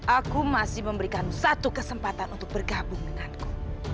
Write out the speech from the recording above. aku masih memberikan satu kesempatan untuk bergabung denganku